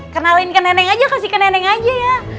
kenalin ke neneng aja kasih ke neneng aja ya